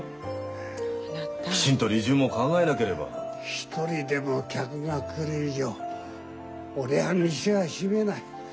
一人でも客が来る以上俺は店は閉めない。